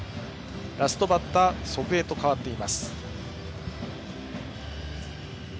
ラストバッター祖父江と代わっています。